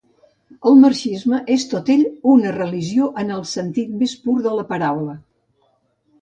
El marxisme és tot ell una religió en el sentit més pur de la paraula.